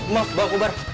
maaf bang kobar